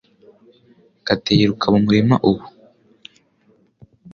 Kate yiruka mu murima ubu.